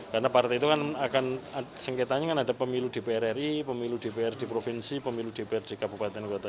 karena partai itu kan akan sengketanya kan ada pemilu dpr ri pemilu dpr di provinsi pemilu dpr di kabupaten kota